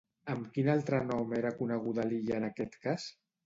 Amb quin altre nom era coneguda l'illa en aquest cas?